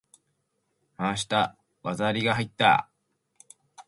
回した！技ありが入った！